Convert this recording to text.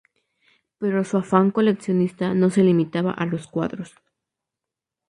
Pero su afán coleccionista no se limitaba a los cuadros.